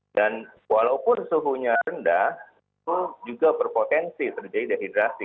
walaupun suhunya rendah itu juga berpotensi terjadi dehidrasi